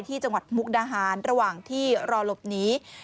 จังหวัดมุกดาหารระหว่างที่รอหลบหนี